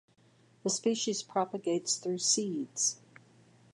The species propagates through seeds.